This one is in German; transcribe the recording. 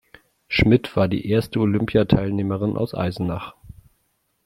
Schmidt war die erste Olympiateilnehmerin aus Eisenach.